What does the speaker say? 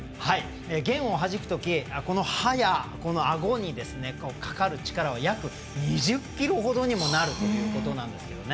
弦をはじくとき、歯やあごにかかる力は約２０キロほどにもなるということなんですけどね。